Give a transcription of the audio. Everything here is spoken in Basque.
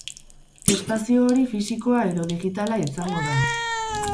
Espazio hori fisikoa edo digitala izango da